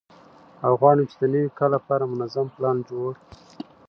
او غواړم چې د نوي کال لپاره منظم پلان جوړ